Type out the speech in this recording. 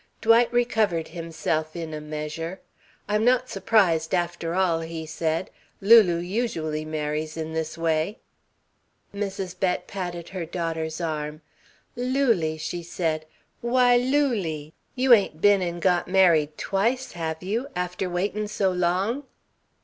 Dwight recovered himself in a measure. "I'm not surprised, after all," he said. "Lulu usually marries in this way." Mrs. Bett patted her daughter's arm. "Lulie," she said, "why, Lulie. You ain't been and got married twice, have you? After waitin' so long?"